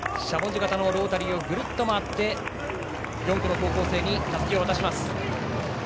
形のロータリーをグルッと回って４区の高校生にたすきを渡します。